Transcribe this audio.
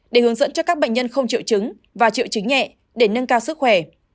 để hướng dẫn cho các bệnh nhân không triệu chứng và triệu chứng nhẹ để nâng cao sức khỏe